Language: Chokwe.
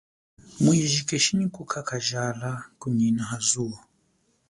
Mwiji keshi nyi kukakajala kunyina ha zuwo.